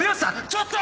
ちょっと！